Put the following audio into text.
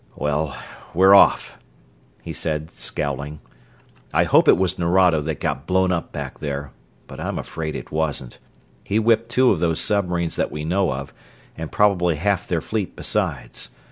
"Well, we're off," he said, scowling. "I hope it was Nerado that got blown up back there, but I'm afraid it wasn't. He whipped two of those submarines that we know of, and probably half their fleet besides.